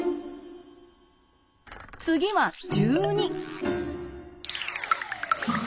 次は１２。